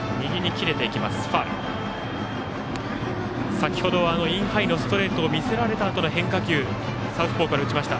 先ほどはインハイのストレートを見せられたあとの変化球サウスポーから打ちました。